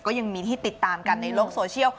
ก็ยังมีที่ติดตามกันในโลกโซเชียล